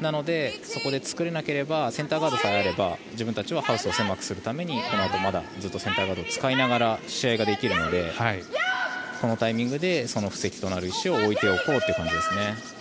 なので、そこで作れなければセンターガードさえあれば自分たちはハウスを狭くするためにこのあと、まだずっとセンターガードを使いながら試合ができるのでこのタイミングで布石となる石を置いておこうという感じですね。